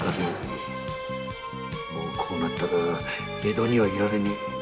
もうこうなったら江戸には居られねえ。